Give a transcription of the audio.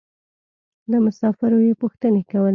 له مسافرو يې پوښتنې کولې.